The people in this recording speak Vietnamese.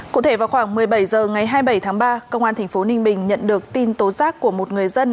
cụ thể vào khoảng một mươi bảy h ngày hai mươi bảy tháng ba công an tp ninh bình nhận được tin tố giác của một người dân